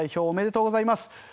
おめでとうございます。